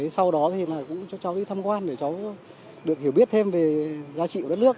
sau đó thì là cũng cho cháu đi thăm quan để cháu được hiểu biết thêm về giá trị của đất nước